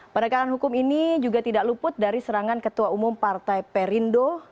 penegakan hukum ini juga tidak luput dari serangan ketua umum partai perindo